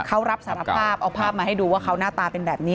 เขารับสารภาพเอาภาพมาให้ดูว่าเขาหน้าตาเป็นแบบนี้